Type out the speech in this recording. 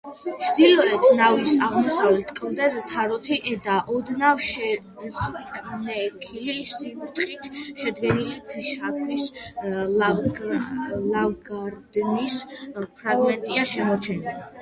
ჩრდილოეთ ნავის აღმოსავლეთ კედელზე თაროთი და ოდნავ შეზნექილი სიბრტყით შედგენილი ქვიშაქვის ლავგარდნის ფრაგმენტია შემორჩენილი.